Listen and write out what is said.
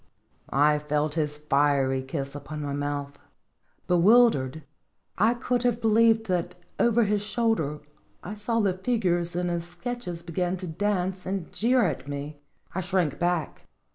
I felt his fiery kiss upon my mouth. Be wildered, I could have believed that over his shoulder I saw the figures in his sketches be gin to dance and jeer at me. I shrank back.